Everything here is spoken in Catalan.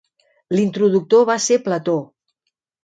L'introductor va ser Plató.